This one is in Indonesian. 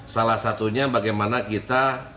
salah satunya bagaimana kita